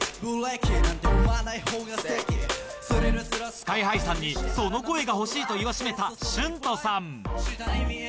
ＳＫＹ−ＨＩ さんにその声が欲しいと言わしめた ＳＨＵＮＴＯ さん